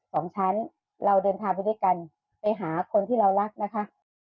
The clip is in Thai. สองชั้นเราเดินทางไปด้วยกันไปหาคนที่เรารักนะคะ